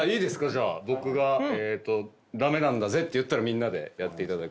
じゃあ僕が「ダメなんだぜ」って言ったらみんなでやっていただく。